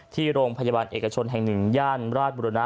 ที่โรงพยาบาลเอกชนแห่ง๑ย่านราชบุรณะ